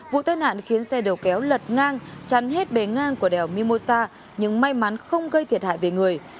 vụ tai nạn khiến xe đầu kéo lật ngang chắn hết bề ngang của đèo mimosa nhưng may mắn không gây thiệt hại về người